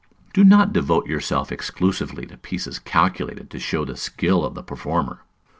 Do not devote yourself exclusively to pieces calculated to show the skill of the performer.